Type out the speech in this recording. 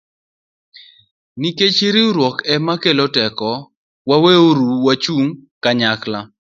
Nikech riwruok ema kelo teko, weuru wachung ' kanyachiel